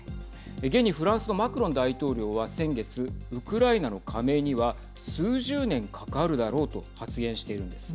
現にフランスのマクロン大統領は先月ウクライナの加盟には数十年かかるだろうと発言しているんです。